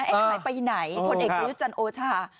แอดมัยไปไหนโภนเอกบริยุจันโอชา